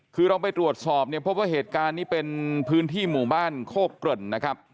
คือเราไปตรวจสอบเนี่ยพบว่าเหตุการณ์นี้เป็นพื้นที่หมู่บ้านโคกเกริ่นนะครับ